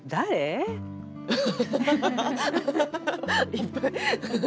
いっぱい。